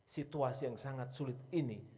situasi yang sangat sulit ini